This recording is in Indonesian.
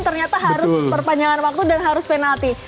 ternyata harus perpanjangan waktu dan harus penalti